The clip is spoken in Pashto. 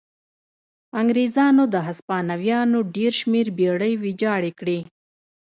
انګرېزانو د هسپانویانو ډېر شمېر بېړۍ ویجاړې کړې.